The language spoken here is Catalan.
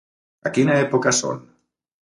A quina època són?